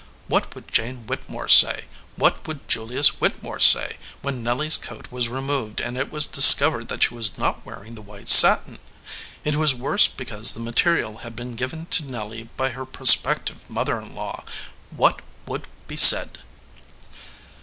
What would Jane Whittemore say, what would Julius Whittemore say, when Nelly s coat was removed and it was discovered that she was not wearing the white satin? It was worse because the material had been given to Nelly by her prospective mother in law. What would be said